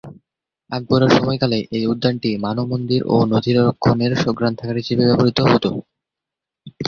আকবরের সময়কালে এই উদ্যানটি মানমন্দির ও নথি রক্ষণের গ্রন্থাগার হিসেবে ব্যবহৃত হত।